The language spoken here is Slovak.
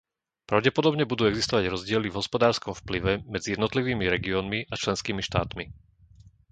Pravdepodobne budú existovať rozdiely v hospodárskom vplyve medzi jednotlivými regiónmi a členskými štátmi.